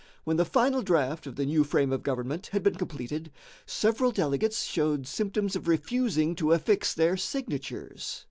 When the final draft of the new frame of government had been completed, several delegates showed symptoms of refusing to affix their signatures.